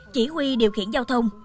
chỉ huy điều khiển giao thông